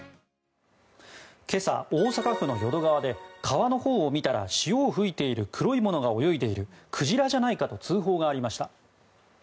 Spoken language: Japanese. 今朝、大阪府の淀川で川のほうを見たら潮を吹いている黒いものが泳いでいるクジラじゃないかと通報がありました。